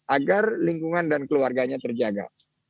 agar lingkungan dan keluarganya terjaga